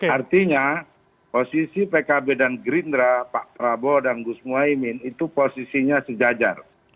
artinya posisi pkb dan gerindra pak prabowo dan gus muhaymin itu posisinya sejajar